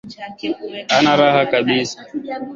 Hana raha kabisa.